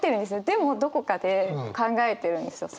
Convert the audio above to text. でもどこかで考えてるんですよ